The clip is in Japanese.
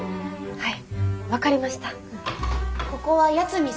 はい。